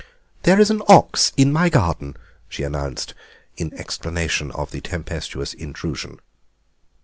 "There is an ox in my garden," she announced, in explanation of the tempestuous intrusion.